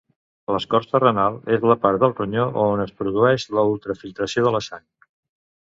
L'escorça renal és la part del ronyó on es produeix la ultrafiltració de la sang.